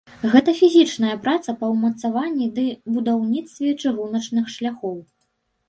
Гэта фізічная праца па ўмацаванні ды будаўніцтве чыгуначных шляхоў.